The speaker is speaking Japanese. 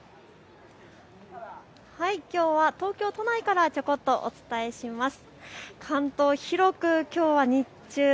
きょうは東京都内からちょこっとお伝えします。